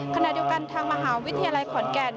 ขณะเดียวกันทางมหาวิทยาลัยขอนแก่น